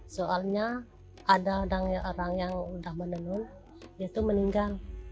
soalnya ada orang yang udah menenun dia tuh meninggal